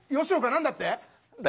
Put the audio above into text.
何だって？